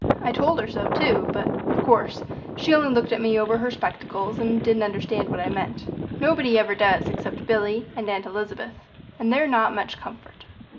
I told her so, too; but, of course, she only looked at me over her spectacles and didn't understand what I meant. Nobody ever does except Billy and Aunt Elizabeth, and they're not much comfort.